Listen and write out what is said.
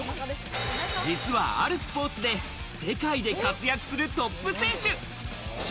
実はあるスポーツで世界で活躍するトップ選手。